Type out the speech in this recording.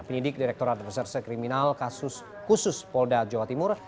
penyidik direkturat reserse kriminal kasus khusus polda jawa timur